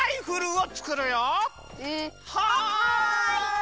はい！